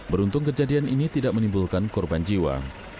beruntung kejadian ini tidak menimbulkan korban jiwa